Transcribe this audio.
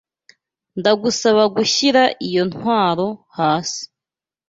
Ndagusaba gushyira iyo ntwaro hasi.